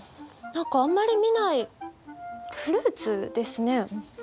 何かあんまり見ないフルーツですね。